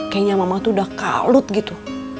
kayaknya mama tuh udah kalut gitu